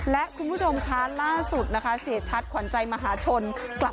และคุณผู้ชมคะล่าสุดนะคะเสียชัดขวัญใจมหาชนกลับ